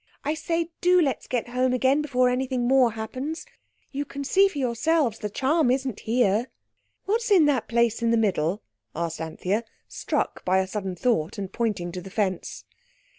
I say, do let's get home again before anything more happens. You can see for yourselves the charm isn't here." "What's in that place in the middle?" asked Anthea, struck by a sudden thought, and pointing to the fence.